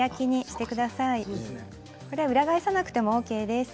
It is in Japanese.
これは裏返さなくてもＯＫです。